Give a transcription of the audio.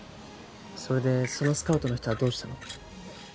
それでそのスカウトの人はどうしたの？